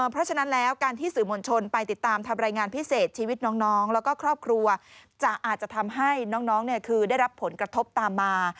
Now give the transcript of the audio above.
เพราะฉะนั้นแล้วการที่สื่อมวลชนไปติดตามทำรายงานพิเศษชีวิตน้องแล้วก็ครอบครัวจะอาจจะทำให้น้องคือได้รับผลกระทบตามมา